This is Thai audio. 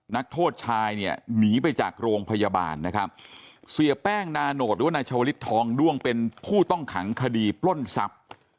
นักโทษชายเนี่ยหนีไปจากโรงพยาบาลนะครับเสียแป้งนาโนตหรือว่านายชาวลิศทองด้วงเป็นผู้ต้องขังคดีปล้นทรัพย์